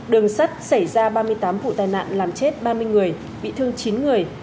đường sắt xảy ra ba mươi tám vụ tai nạn làm chết ba mươi người bị thương chín người